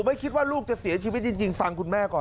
ไม่คิดว่าลูกจะเสียชีวิตจริงฟังคุณแม่ก่อน